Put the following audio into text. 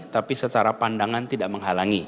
tapi secara pandangan tidak menghalangi